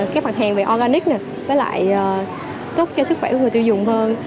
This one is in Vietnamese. các mặt hàng về organic với lại tốt cho sức khỏe của người tiêu dùng hơn